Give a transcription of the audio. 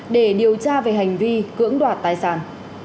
để điều tra về hành vi cưỡng đoạt tài sản